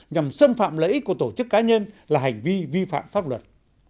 nhằm xâm phạm lợi ích của tổ chức cá nhân là hành vi vi phạm pháp luật